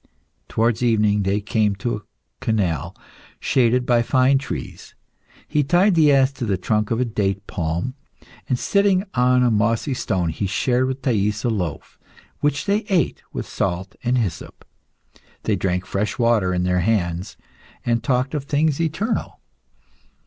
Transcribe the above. Towards evening they came to a canal shaded by fine trees; he tied the ass to the trunk of a date palm, and sitting on a mossy stone he shared with Thais a loaf, which they ate with salt and hyssop. They drank fresh water in their hands, and talked of things eternal.